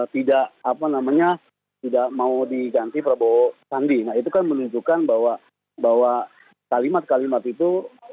tidak mau diganti prabowo sandi nah itu kan menunjukkan bahwa kalimat kalimat itu